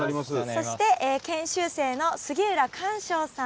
そして研修生の杉浦寛生さん。